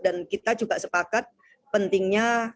dan kita juga sepakat pentingnya